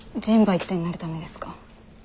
一体になるためですか？